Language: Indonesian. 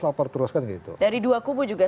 soper terus kan gitu dari dua kubu juga